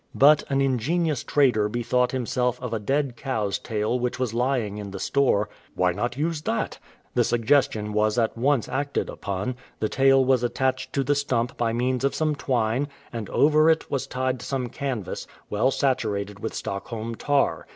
But an ingenious trader bethought him self of a dead cow's tail which was lying in the store :—" Why not use that ? The suggestion was at once acted upon , the tail was attached to the stump by means of some tw ine, and over it was tied some canvas, well saturated with Stockholm tar.